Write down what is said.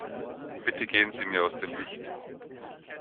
Bitte gehen Sie mir aus dem Licht.